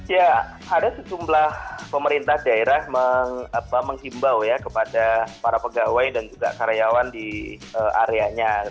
ya ada sejumlah pemerintah daerah menghimbau ya kepada para pegawai dan juga karyawan di areanya